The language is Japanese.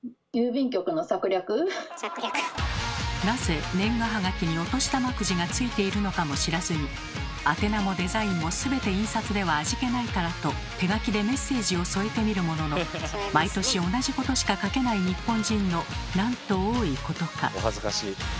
なぜ年賀はがきにお年玉くじが付いているのかも知らずに宛名もデザインも全て印刷では味気ないからと手書きでメッセージを添えてみるものの毎年同じことしか書けない日本人のなんと多いことか。